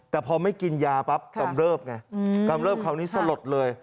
แต่พอไม่กินยาปั๊บกรรมเลิฟไงกรรมเลิฟเขานี่สลดเลย